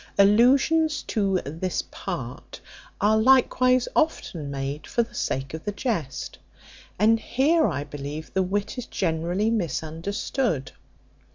Allusions to this part are likewise often made for the sake of the jest. And here, I believe, the wit is generally misunderstood.